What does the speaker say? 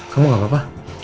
kamu gak apa apa